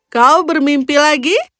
kau bermimpi lagi